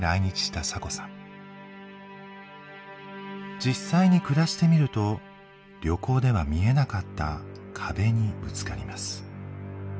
実際に暮らしてみると旅行では見えなかった壁にぶつかります。